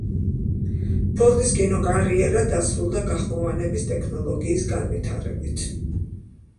ფორდის კინოკარიერა დასრულდა გახმოვანების ტექნოლოგიის განვითარებით.